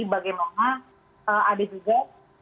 bagaimana ada juga